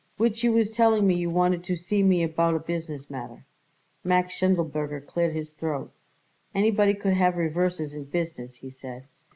Which you was telling me you wanted to see me about a business matter." Max Schindelberger cleared his throat. "Anybody could have reverses in business," he said.